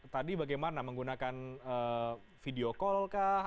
tadi bagaimana menggunakan video call kah